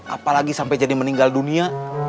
apalagi sampai jadi meninggal dunia